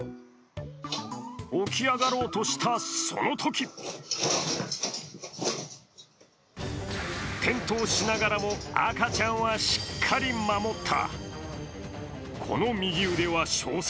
起き上がろうとしたそのとき転倒しながらも赤ちゃんはしっかり守った。